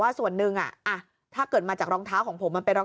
ส่วนหนึ่งถ้าเกิดมาจากรองเท้าของผมมันเป็นรอง